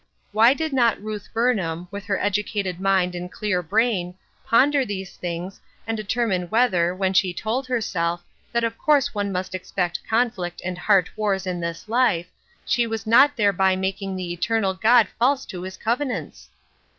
Why did not Ruth Burnham, with her edu cated mind and clear brain, ponder these things, and determine whether, when she told herself, that of course one must expect conflict and heart wars in this life, she was not thereby making the eternal God false to his covenants